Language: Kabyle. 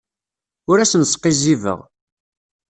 Ur asen-sqizzibeɣ.